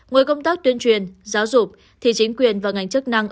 ngoài công tác tuyên truyền giáo dục thì chính quyền và ngành chức năng